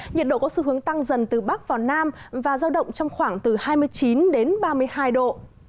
nhiệt độ có xu hướng tăng dần từ bắc vào nam và giao động trong khoảng từ hai mươi chín đến ba mươi hai độ